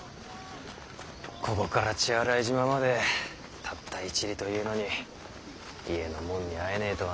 ここから血洗島までたった１里というのに家の者に会えねぇとはな。